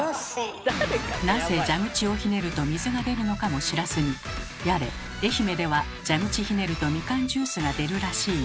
なぜ蛇口をひねると水が出るのかも知らずにやれ「愛媛では蛇口ひねるとみかんジュースが出るらしいよ」